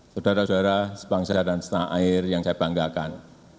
saudara saudara sebangsa dan setanah air yang saya banggakan